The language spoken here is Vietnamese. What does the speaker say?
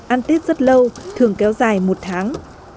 ăn tết rất lâu thường kéo dài một tháng